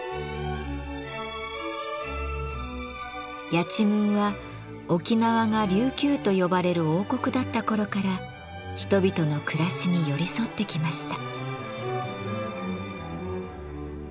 やちむんは沖縄が琉球と呼ばれる王国だった頃から人々の暮らしに寄り添ってきました。